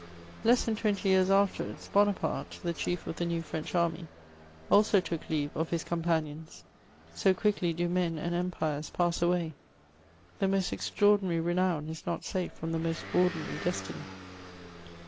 Less than twentjr years afterwards, Bonaparte, the chief of the new French army, also took leave of ms companions ; so quickly do men ana empires pass away ! The most extra* ordinaiy renown is not safe from the most ordinary des^y